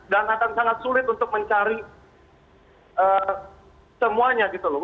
dan akan sangat sulit untuk mencari semuanya gitu loh